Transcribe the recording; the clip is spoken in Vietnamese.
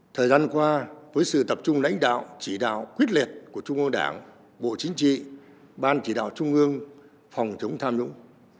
thời gian qua với sự tập trung lãnh đạo chỉ đạo quyết liệt của trung ương đảng bộ chính trị ban chỉ đạo trung ương phòng chống tham nhũng